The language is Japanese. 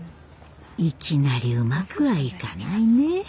いきなりうまくはいかないね。